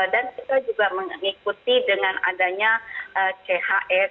dan kita juga mengikuti dengan adanya chs